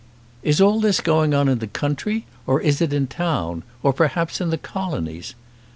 "Is all this going on in the country, or is it in town, or perhaps in the Colonies?